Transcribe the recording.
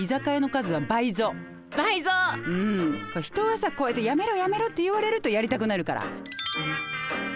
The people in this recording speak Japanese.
人はさこうやってやめろやめろって言われるとやりたくなるから。